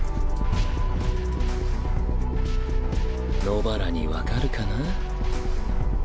野薔薇に分かるかな？